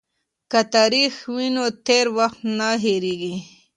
که تاریخ وي نو تیر وخت نه هیریږي.